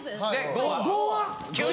５は？